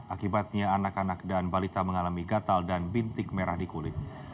akibatnya anak anak dan balita mengalami gatal dan bintik merah di kulit